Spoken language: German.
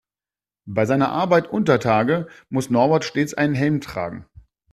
Bei seiner Arbeit untertage muss Norbert stets einen Helm tragen.